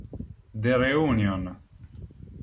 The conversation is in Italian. The Reunion